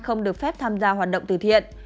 không được phép tham gia hoạt động từ thiện